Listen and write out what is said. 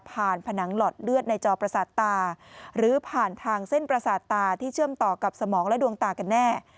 ผนังหลอดเลือดในจอประสาทตาหรือผ่านทางเส้นประสาทตาที่เชื่อมต่อกับสมองและดวงตากันแน่